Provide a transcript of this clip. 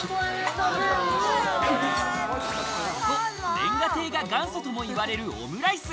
煉瓦亭が元祖ともいわれるオムライス。